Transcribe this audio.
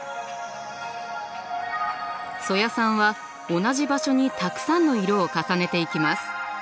曽谷さんは同じ場所にたくさんの色を重ねていきます。